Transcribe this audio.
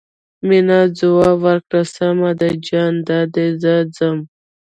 مينې ځواب ورکړ سمه ده جان دادی زه ځم.